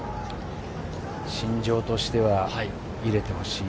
心情としては入れてほしい。